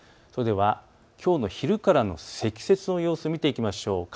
それではきょうの昼からの積雪の様子を見ていきましょう。